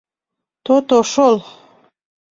То-то шол!